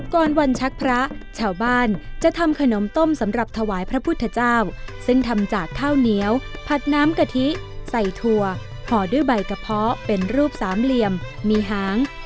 ก่อนวันชักพระชาวบ้านจะทำขนมต้มสำหรับถวายพระพุทธเจ้าซึ่งทำจากข้าวเหนียวผัดน้ำกะทิใส่ถั่วห่อด้วยใบกระเพาะเป็นรูปสามเหลี่ยมมีหาง